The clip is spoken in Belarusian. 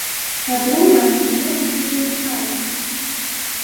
Па-другое, узяць на сябе адказнасць.